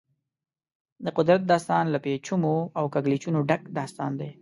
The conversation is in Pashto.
د قدرت داستان له پېچومو او کږلېچونو ډک داستان دی.